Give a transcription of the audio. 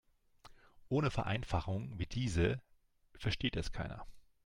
Ohne Vereinfachungen wie diese versteht es keiner.